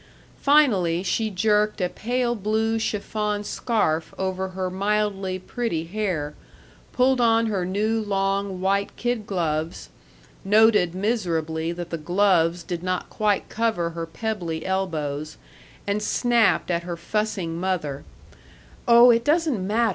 Finally, she jerked a pale blue chiffon scarf over her mildly pretty hair, pulled on her new long, white kid gloves, noted miserably that the gloves did not quite cover her pebbly elbows, and snapped at her fussing mother: "Oh, it doesn't matter.